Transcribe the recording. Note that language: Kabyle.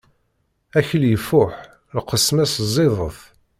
Akli ifuḥ, lqesma-s ẓidet.